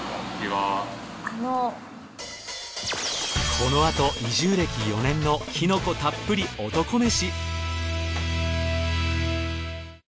このあと移住歴４年のキノコたっぷり男メシ。